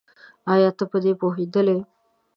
ايا ته په دې پوهېدلې؟